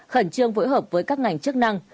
khẩn trương phối hợp với các ngành chức năng